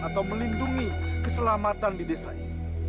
atau melindungi keselamatan di desa ini